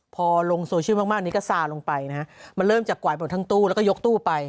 พอลงโซเชียลมากนี้ก็ซาลงไปนะฮะมันเริ่มจากกวาดหมดทั้งตู้แล้วก็ยกตู้ไป